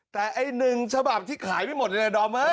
แต่ไอ้๑ฉบับที่ขายไม่หมดเลยนะดอม